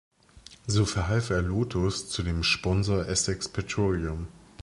So verhalf er Lotus zu dem Sponsor Essex Petroleum.